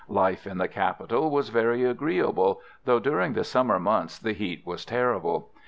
Life in the capital was very agreeable, though during the summer months the heat was terrible.